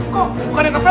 kok bukan yang nge film